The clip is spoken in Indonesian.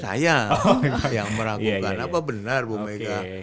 saya yang meragukan apa benar bu mega